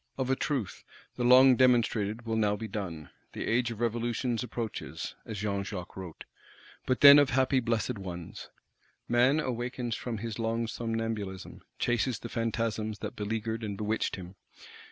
Of a truth, the long demonstrated will now be done: "the Age of Revolutions approaches" (as Jean Jacques wrote), but then of happy blessed ones. Man awakens from his long somnambulism; chases the Phantasms that beleagured and bewitched him.